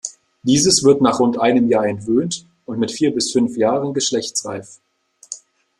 Dieses wird nach rund einem Jahr entwöhnt und mit vier bis fünf Jahren geschlechtsreif.